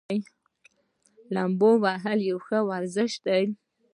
لامبو وهل یو ښه ورزش دی.